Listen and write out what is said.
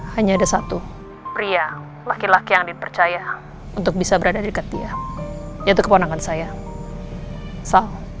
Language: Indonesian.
hanya ada satu pria laki laki yang dipercaya untuk bisa berada dekat dia yaitu keponakan saya